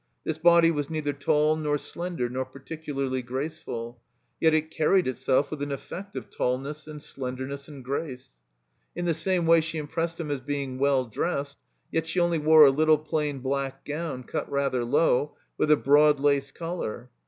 This body was neither tall nor slender nor particularly graceful. Yet it carried itself with an effect of tall ness and slendemess and grace. In the same way she impressed him as being well dressed. Yet she only wore a little plain black gown cut rather low, with a broad lace collar.